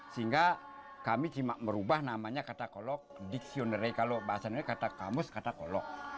sehingga kami cuma merubah namanya kata kolok diksionery kalau bahasa nuril kata kamus kata kolok